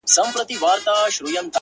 زه درته دعا سهار ماښام كوم!